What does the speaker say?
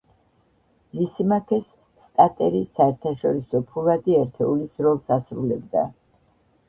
ლისიმაქეს სტატერი საერთაშორისო ფულადი ერთეულის როლს ასრულებდა.